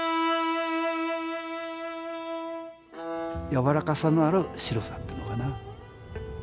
柔らかさのある白さっていうのかな。